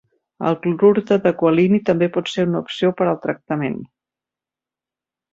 El clorur de decualini també por ser una opció per al tractament.